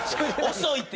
遅いって！